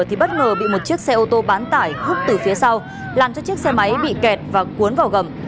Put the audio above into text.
thì bất ngờ bị một chiếc xe ô tô bán tải hút từ phía sau làm cho chiếc xe máy bị kẹt và cuốn vào gầm